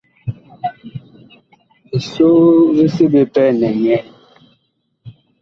Ɔsoo vi seɓe pɛ nɛŋɛɛ.